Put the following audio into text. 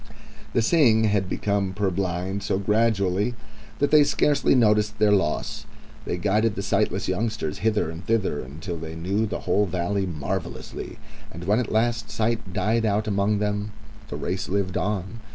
The seeing had become purblind so gradually that they scarcely noted their loss. They guided the sightless youngsters hither and thither until they knew the whole Valley marvellously, and when at last sight died out among them the race lived on.